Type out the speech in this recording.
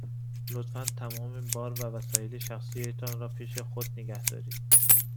لطفاً تمام بار و وسایل شخصی تان را پیش خود نگه دارید.